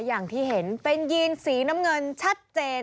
อย่างที่เห็นเป็นยีนสีน้ำเงินชัดเจน